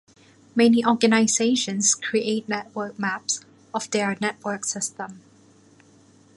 Many organizations create network maps of their network system.